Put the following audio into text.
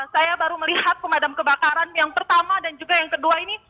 saya baru melihat pemadam kebakaran yang pertama dan juga yang kedua ini